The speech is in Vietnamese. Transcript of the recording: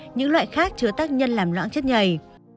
những loại khác chứa tác nhân làm loãng chất nhầy